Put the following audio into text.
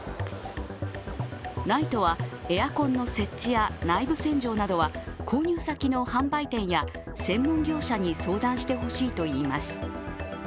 ＮＩＴＥはエアコンの設置や内部洗浄などは購入先の販売店や専門業者に相談してほしいといいます。